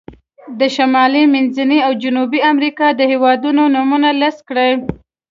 د شمالي، منځني او جنوبي امریکا د هېوادونو نومونه لیست کړئ.